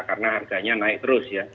karena harganya naik terus ya